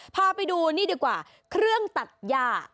พาไปดูนี่ดีกว่าเครื่องตัดย่า